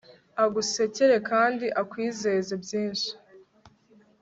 agusekere kandi akwizeze byinshi